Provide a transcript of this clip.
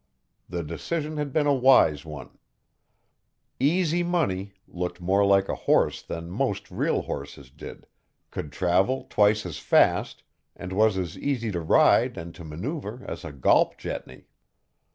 The decision had been a wise one: "Easy Money" looked more like a horse than most real horses did, could travel twice as fast, and was as easy to ride and to maneuver as a golp jetney.